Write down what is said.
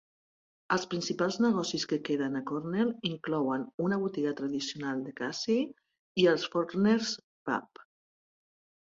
Els principals negocis que queden a Cornell inclouen una botiga tradicional de Casey i el Fortner's Pub.